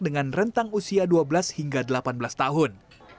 dengan rentang usia dua belas hingga delapan belas tahun